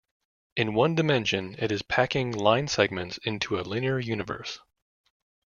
In one dimension it is packing line segments into a linear universe.